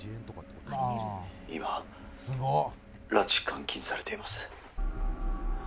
今、拉致監禁されています。